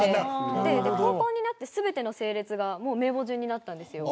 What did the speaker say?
高校になって全ての整列が名簿順になったんですよ。